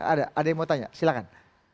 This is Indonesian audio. ada ada yang mau tanya silahkan